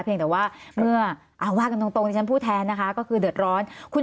แต่ว่าเมื่อว่ากันตรงที่ฉันพูดแทนนะคะก็คือเดือดร้อน